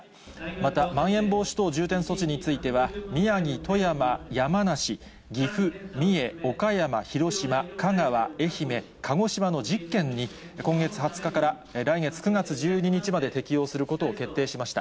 また、まん延防止等重点措置については、宮城、富山、山梨、岐阜、三重、岡山、広島、香川、愛媛、鹿児島の１０県に今月２０日から来月９月１２日まで適用することを決定しました。